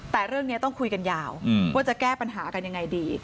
แต่เรื่องนี้ต้องคุยกันยาวว่าจะแก้ปัญหากันยังไงดี